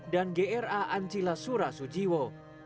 dan gra ancila surasujiwo